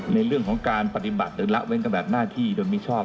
ในเรื่องของการปฏิบัติหรือละเว้นกระบาดหน้าที่โดยมิชอบ